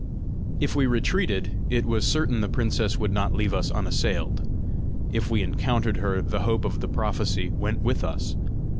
If we retreated, it was certain the princess would not leave us unassailed! if we encountered her, the hope of the prophecy went with us!